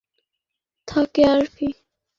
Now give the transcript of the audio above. যদি তার অস্তিত্ব থেকে থাকে আরকি।